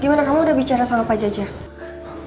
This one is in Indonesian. gimana damals boleh bicara sama pak jajah